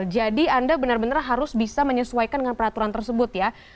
jadi anda benar benar harus bisa menyesuaikan dengan peraturan tersebut ya